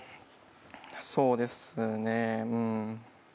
そうですねうん。